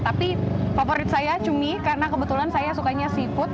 tapi favorit saya cumi karena kebetulan saya sukanya seafood